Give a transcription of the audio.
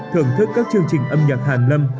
thưởng thức các chương trình âm nhạc hàn lâm